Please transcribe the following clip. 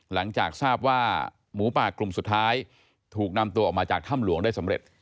หลังจากทราบว่าหมูป่ากลุ่มสุดท้ายถูกนำตัวออกมาจากถ้ำหลวงได้สำเร็จ